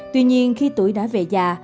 tuy nhiên khi tuổi đã về già